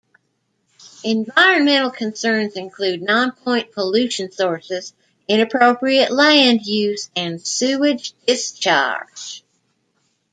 Environmental concerns include nonpoint pollution sources, inappropriate land use, and sewage discharge.